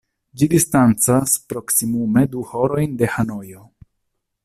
Ĝi distancas proksimume du horojn de Hanojo.